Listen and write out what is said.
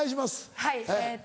はいえっと